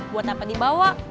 buat apa dibawa